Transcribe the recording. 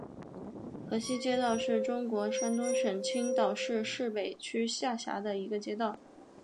河西街道是中国山东省青岛市市北区下辖的一个街道。